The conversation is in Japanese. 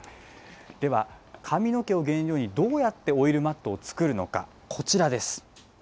では、髪の毛を原料に、どうやってオイルマットを作るのか、こちらです。